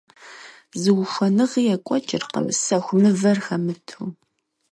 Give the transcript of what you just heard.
Зы ухуэныгъи екӀуэкӀыркъым сэху мывэр хэмыту.